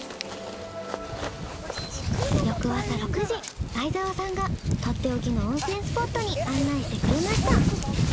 翌朝６時相澤さんがとっておきの温泉スポットに案内してくれました。